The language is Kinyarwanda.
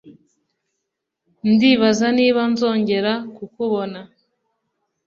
Ndibaza niba nzongera kukubona